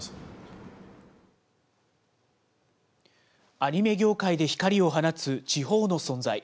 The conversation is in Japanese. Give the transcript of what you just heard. アニメ業界で光を放つ地方の存在。